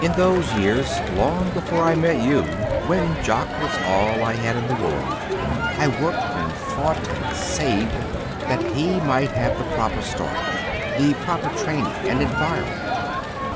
In those years, long before I met you, when Jock was all I had in the world, I worked and fought and saved that he might have the proper start, the proper training, and environment.